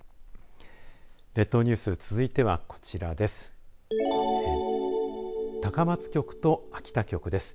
列島ニュース続いてはこちらです。